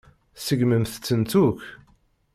Tseggmemt-tent akk.